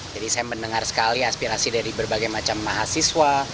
jadi saya mendengar sekali aspirasi dari berbagai macam mahasiswa